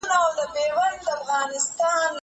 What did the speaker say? زه اجازه لرم چي پاکوالي وساتم!!